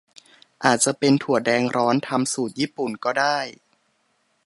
อาจจะเป็นถั่วแดงร้อนทำสูตรญี่ปุ่น ก็ได้